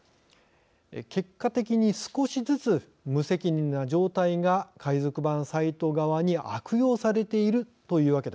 結果的に少しずつ無責任な状態が海賊版サイト側に悪用されているというわけです。